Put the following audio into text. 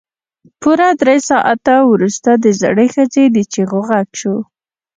پوره درې ساعته وروسته د زړې ښځې د چيغو غږ شو.